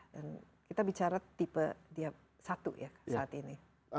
dan kita bicara tipe satu ya saat ini